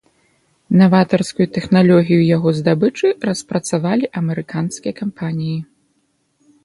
Наватарскую тэхналогію яго здабычы распрацавалі амерыканскія кампаніі.